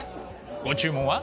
ご注文は？